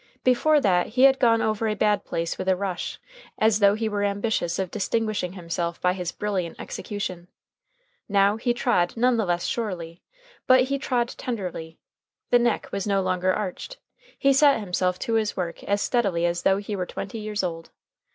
Before that he had gone over a bad place with a rush, as though he were ambitious of distinguishing himself by his brilliant execution. Now he trod none the less surely, but he trod tenderly. The neck was no longer arched. He set himself to his work as steadily as though he were twenty years old.